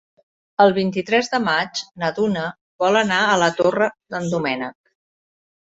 El vint-i-tres de maig na Duna vol anar a la Torre d'en Doménec.